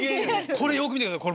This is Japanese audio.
これよく見てください。